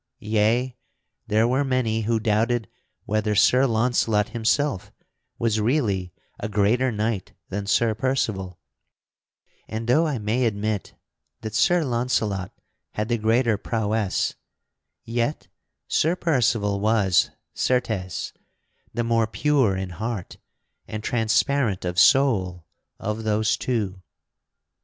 Yea; there were many who doubted whether Sir Launcelot himself was really a greater knight than Sir Percival; and though I may admit that Sir Launcelot had the greater prowess, yet Sir Percival was, certes, the more pure in heart and transparent of soul of those two.